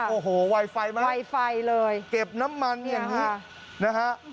โอ้โหไวไฟมากไวไฟเลยเก็บน้ำมันอย่างนี้นะฮะ